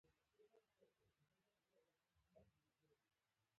ایا ورسره بهر ځئ؟